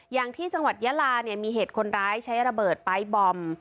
อย่างที่จังหวัดยาลาเนี่ยมีเหตุคนร้ายใช้ระเบิดปลายบอม